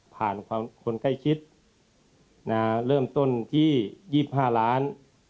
มีวัญญาณว่าเริ่มต้นที่๒๕ล้าน